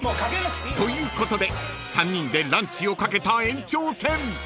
［ということで３人でランチをかけた延長戦］